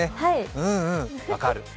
うんうん、分かる。